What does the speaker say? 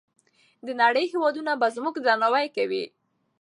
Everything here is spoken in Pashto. د نړۍ هېوادونه به زموږ درناوی کوي.